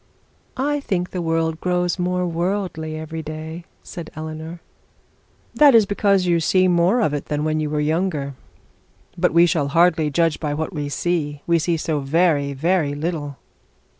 'I think the world grows more worldly every day,' said Eleanor. 'That is because you see more of it than when you were younger. But we should hardly judge by what we see, we see so very very little.'